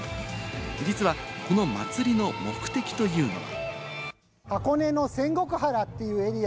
実はこの祭りの目的というのが。